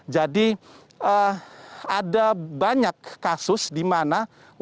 jadi ada banyak kasus di mana warga kota surabaya